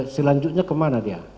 selanjutnya kemana dia